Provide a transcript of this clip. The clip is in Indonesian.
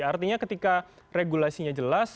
artinya ketika regulasinya jelas